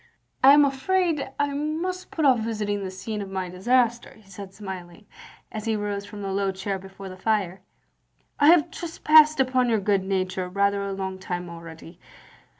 " I am afraid I must put off visiting the scene of my disaster, " he said, smiling, as he rose from the low chair before the fire. " I have trespassed upon your good nature rather a long time already.